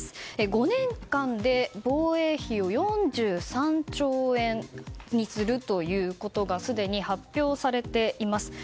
５年間で防衛費を４３兆円にするということがすでに発表されています。